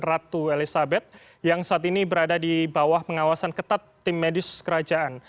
ratu elizabeth yang saat ini berada di bawah pengawasan ketat tim medis kerajaan